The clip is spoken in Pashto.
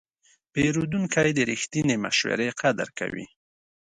پیرودونکی د رښتینې مشورې قدر کوي.